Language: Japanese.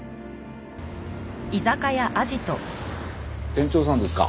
店長さんですか？